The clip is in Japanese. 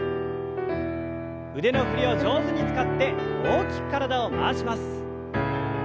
腕の振りを上手に使って大きく体を回します。